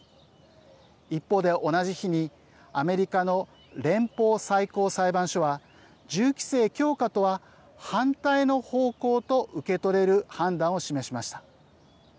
一方で同じ日にアメリカの連邦最高裁判所は銃規制強化とは反対の方向と受け取れる判断を示しました。